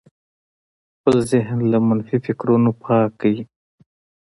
خپل ذهن له منفي فکرونو پاک کړئ.